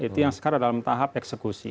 itu yang sekarang dalam tahap eksekusi